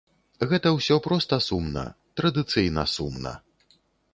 Гэта ўсё проста сумна, традыцыйна сумна.